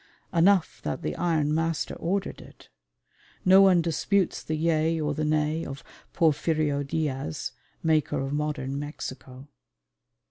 Enough that the "Iron Master" ordered it. No one disputes the yea or the nay of Porfirio Diaz, maker of Modern Mexico.